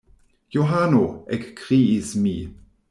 Johano! ekkriis mi.